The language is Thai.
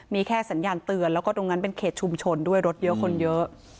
มีแค่สัญญาณเตือนแล้วก็ตรงนั้นเป็นเขตชุมชนด้วยรถเยอะคนเยอะ